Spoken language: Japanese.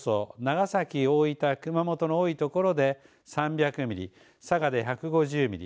長崎、大分、熊本の多いところで３００ミリ、佐賀で１５０ミリ